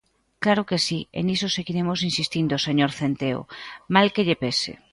Claro que si, e niso seguiremos insistindo, señor Centeo, mal que lle pese.